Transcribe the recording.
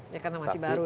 ya karena masih baru